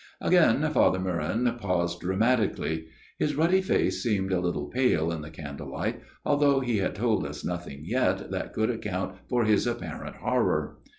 Again Father Meuron paused dramatically. His ruddy face seemed a little pale in the candle light, although he had told us nothing yet that could account for his apparent horror.